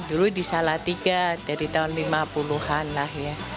dulu di salatiga dari tahun lima puluh an lah ya